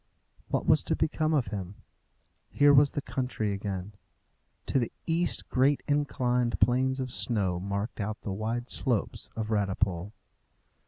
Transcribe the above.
What was to become of him? Here was the country again. To the east great inclined planes of snow marked out the wide slopes of Radipole.